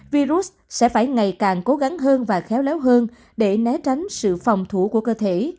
virus sẽ phải ngày càng cố gắng hơn và khéo léo hơn để né tránh sự phòng thủ của cơ thể